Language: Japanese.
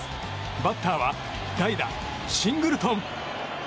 バッターは代打、シングルトン。